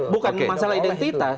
bukan masalah identitas